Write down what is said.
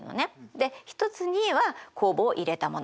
で一つには酵母を入れたもの